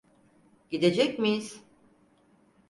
Gidecek miyiz?